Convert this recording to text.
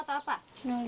atau apa nulis